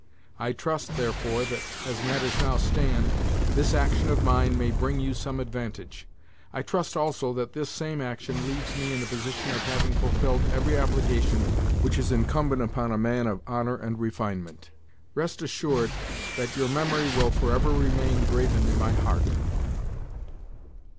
I trust, therefore, that, as matters now stand, this action of mine may bring you some advantage. I trust also that this same action leaves me in the position of having fulfilled every obligation which is incumbent upon a man of honour and refinement. Rest assured that your memory will for ever remain graven in my heart."